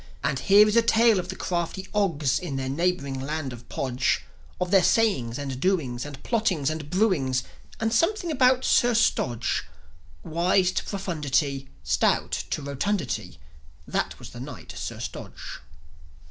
And here is a tale of the crafty Ogs, In their neighbouring land of Podge; Of their sayings and doings and plottings and brewings, And something about Sir Stodge. Wise to profundity, Stout to rotundity, That was the Knight, Sir Stodge.